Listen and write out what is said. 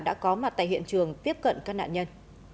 đã có mặt tại hiện trường tiếp cận các nạn nhân